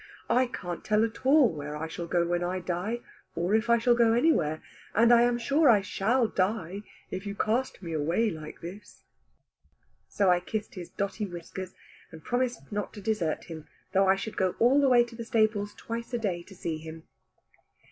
I can't tell at all where I shall go when I die, or if I shall go anywhere; and I am sure I shall die, if you cast me away like this." So I kissed his dotty whiskers, and promised not to desert him, though I should go all the way to the stables twice a day to see him.